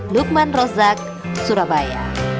lukman rozak surabaya